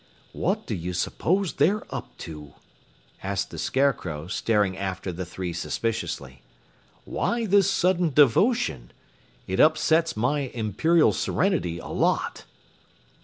"What do you suppose they are up to?" asked the Scarecrow, staring after the three suspiciously. "Why this sudden devotion? It upsets my Imperial Serenity a lot."